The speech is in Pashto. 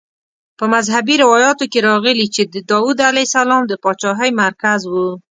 په مذهبي روایاتو کې راغلي چې د داود علیه السلام د پاچاهۍ مرکز وه.